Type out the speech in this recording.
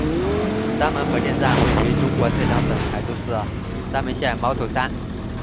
三门核电站位于中国浙江省台州市三门县猫头山。